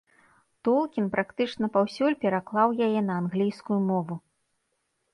Толкін практычна паўсюль пераклаў яе на англійскую мову.